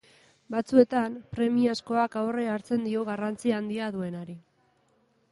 Batzuetan, premiazkoak aurre hartzen dio garrantzi handia duenari.